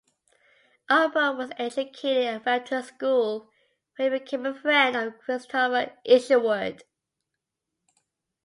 Upward was educated at Repton School, where he became a friend of Christopher Isherwood.